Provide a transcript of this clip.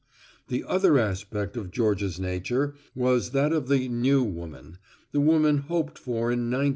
The other aspect of Georgia's nature was that of the "new woman," the women hoped for in 1950.